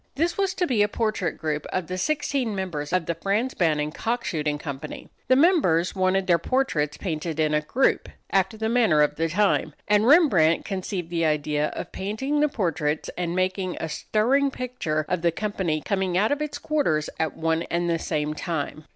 This was to be a portrait group of the sixteen members of the Frans Banning Cock Shooting Company. The members wanted their portraits painted in a group, after the manner of the time, and Rembrandt conceived the idea of painting the portraits and making a stirring picture of the company coming out of its quarters, at one and the same time.